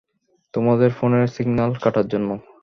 তোমাদের ফোনের সিগন্যাল কাটার জন্য।